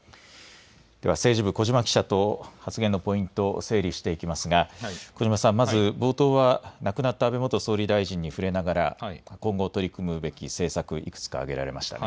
では政治部小嶋記者と発言のポイントを整理していきますが小嶋さんまず冒頭は亡くなった安倍元総理大臣に触れながら今後取り組むべき政策